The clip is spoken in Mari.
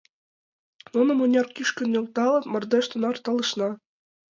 Нуно мыняр кӱшкӧ нӧлталтыт, мардеж тунар талышна.